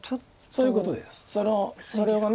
そういうことです。